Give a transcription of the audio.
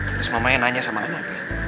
terus mamanya nanya sama anak